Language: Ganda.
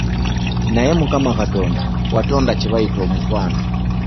Naye Mukama Katonda watonda kye bayita omukwano!